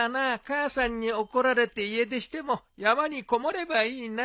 母さんに怒られて家出しても山にこもればいいな。